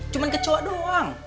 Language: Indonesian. cuman kecoh kacauan doang